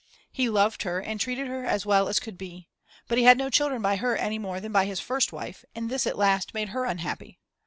He loved her and treated her as well as could be; but he had no children by her any more than by his first wife, and this at last made her unhappy.